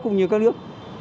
cũng như các nước